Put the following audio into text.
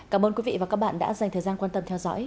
cảm ơn quý vị và các bạn đã dành thời gian quan tâm theo dõi